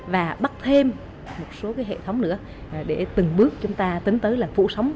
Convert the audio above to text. và bắt thêm một số hệ thống nữa để từng bước chúng ta tính tới là phụ sóng